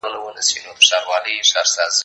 کېدای سي سندري کمزورې وي